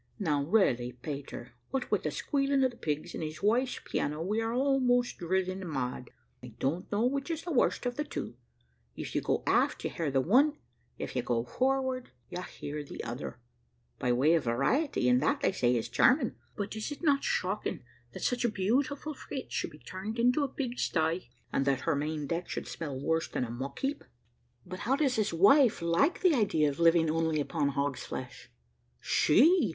Now really, Peter, what with the squealing of the pigs and his wife's piano we are almost driven mad. I don't know which is the worst of the two; if you go aft you hear the one, if you go forward you, hear the other, by way of variety, and that, they say, is charming. But, is it not shocking that such a beautiful frigate should be turned into a pig sty, and that her main deck should smell worse than a muck heap?" "But how does his wife like the idea of living only upon hog's flesh?" "She!